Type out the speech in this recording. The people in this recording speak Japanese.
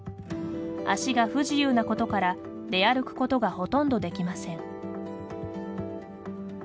足が不自由なことから出歩くことがほとんど出来ません。